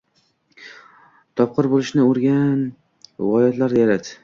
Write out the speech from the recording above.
Topqir bo‘lishni o‘rgan, g‘oyalar yarat.